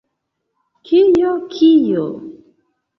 Kio? Kio?